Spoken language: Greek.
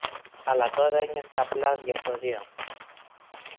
αλλά τώρα ένιωθε απλά αδιαφορία